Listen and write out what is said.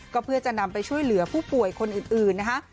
ก็เพื่อจะนำไปช่วยเหลือผู้ป่วยคนอื่นนะคะ